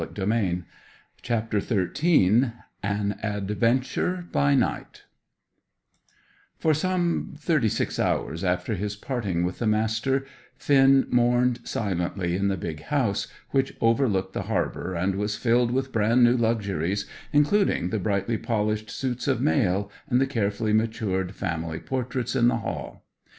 CHAPTER XIII AN ADVENTURE BY NIGHT For some thirty six hours after his parting with the Master, Finn mourned silently in the big house, which overlooked the harbour and was filled with brand new luxuries, including the brightly polished suits of mail and the carefully matured family portraits in the hall.